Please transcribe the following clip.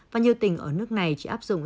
và nhiều tỉnh ở nước này chỉ áp dụng